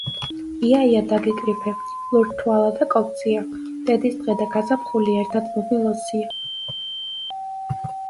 ია-ია დაგიკრიფე, ლურჯთვალა და კოპწია. დედის დღე და გაზაფხული ერთად მომილოცია.